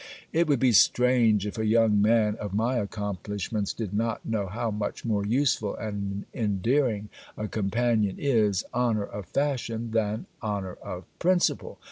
It would be strange if a young man of my accomplishments did not know how much more useful and endearing a companion is honour of fashion than honour of principle!